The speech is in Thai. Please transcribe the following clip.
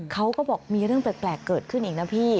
เขาก็บอกมีเรื่องแปลกเกิดขึ้นอีกนะพี่